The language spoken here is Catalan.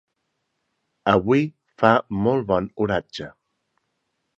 Avui fa molt bon oratge.